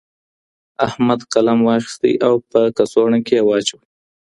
احمد قلم واخیستی او په کڅوړې کي یې واچاوه.